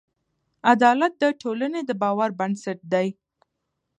عدالت د ټولنې د باور بنسټ دی.